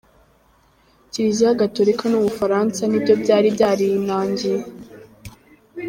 Kiliziya Gatulika n’u Bufaransa ni byo byari byarinangiye.